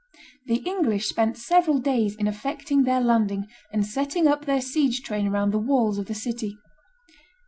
The English spent several days in effecting their landing and setting up their siege train around the walls of the city.